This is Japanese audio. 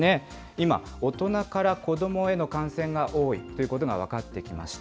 今、大人から子どもへの感染が多いということが分かってきました。